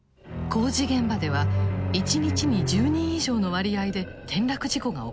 工事現場では一日に１０人以上の割合で転落事故が起こっていた。